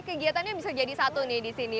kegiatannya bisa jadi satu nih di sini